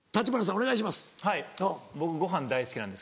お願いします。